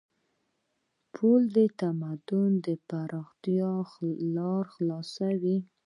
پل د تمدن د پراختیا لار خلاصوي.